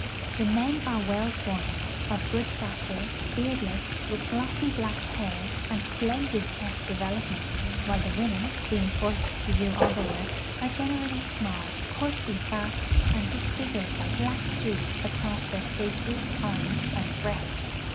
The men are well formed, of good stature, beardless, with glossy black hair, and splendid chest development, while the women, l)eing forced to do all the work, are generally small, 242 A JOURXEY IX ECUADOR coarsely fat, and disfigured b}'' black streaks across their faces arms, and breasts.